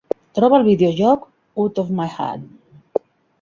Troba el videojoc "Out of My Head".